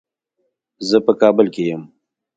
زه په کابل کې یم.